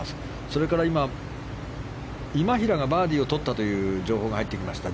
それから今、今平がバーディーをとったという情報が入ってきました。